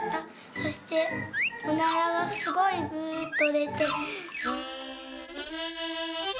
そしておならがすごい『ブーッ』とでて」。